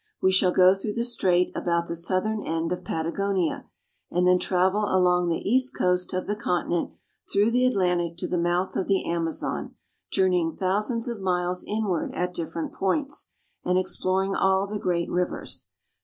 We shall go through the strait about the southern end of Patagonia, and then travel along the east coast of the continent through the Atlantic to the mouth of the Amazon, journeying thousands of miles in ward at different points, and exploring all the great rivers.